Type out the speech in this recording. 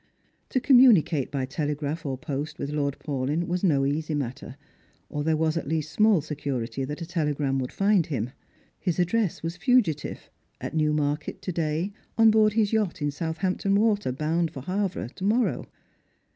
To communicate by telegraph or post with Lord Paulyn waa no easy matter, or there was at least small security that a tele gram would find him. His address was fugitive ; at Newmar ket to day, on board his yacht in Southampton Water, bound for Havre, to morrow.